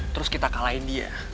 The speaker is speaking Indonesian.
terus kita kalahin dia